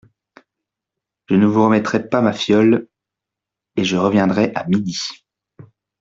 Je ne vous remettrai pas ma fiole… et je reviendrai à midi !